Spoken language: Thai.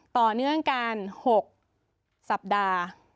ต่อเนื่องกัน๖สัปดาห์